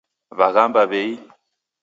W'aghamba w'ei?